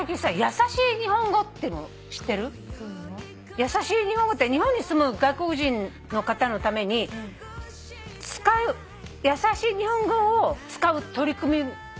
やさしい日本語って日本に住む外国人の方のためにやさしい日本語を使う取り組みが広まっているの。